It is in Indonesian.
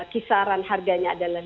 kisaran harganya adalah